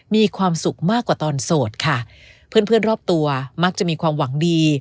มีความสุขมากกว่าตอนโสดค่ะเพื่อนเพื่อนรอบตัวมักจะมีความหวังดี